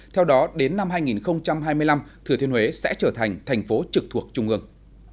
theo đó đến năm hai nghìn hai mươi năm thừa thiên huế sẽ trở thành thành phố trực thuộc trung ương